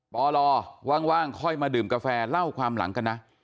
ปลว่างค่อยมาดื่มกาแฟเล่าความหลังกันนะ